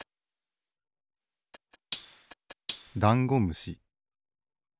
ダンゴムシ。